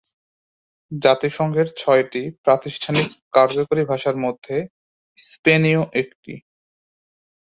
জাতিসংঘের ছয়টি প্রাতিষ্ঠানিক কার্যকরী ভাষার মধ্যে স্পেনীয় একটি।